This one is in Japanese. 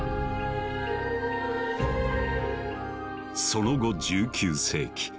その後１９世紀。